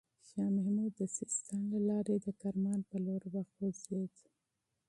شاه محمود د سیستان له لاري د کرمان پر لور وخوځېد.